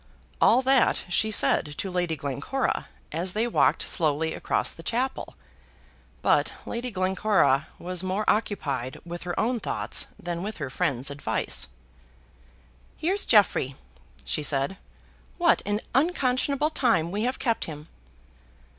All that she said to Lady Glencora, as they walked slowly across the chapel. But Lady Glencora was more occupied with her own thoughts than with her friend's advice. "Here's Jeffrey!" she said. "What an unconscionable time we have kept him!"